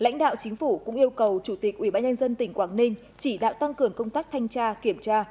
chủ tịch ủy ban nhân dân tỉnh quảng ninh được yêu cầu chỉ đạo tăng cường công tác thanh tra kiểm tra